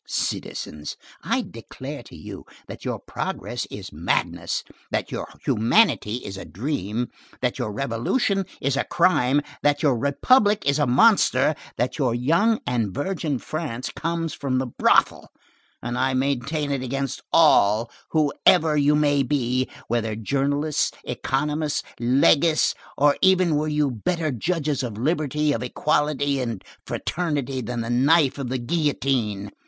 Citizens, I declare to you, that your progress is madness, that your humanity is a dream, that your revolution is a crime, that your republic is a monster, that your young and virgin France comes from the brothel, and I maintain it against all, whoever you may be, whether journalists, economists, legists, or even were you better judges of liberty, of equality, and fraternity than the knife of the guillotine!